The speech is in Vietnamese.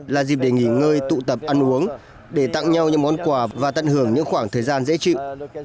là dịp để nghỉ ngơi tụ tập ăn uống để tặng nhau những món quà và tận hưởng những khoảng thời gian dễ chịu